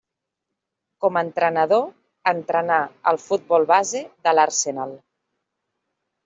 Com entrenador entrenà al futbol base de l'Arsenal.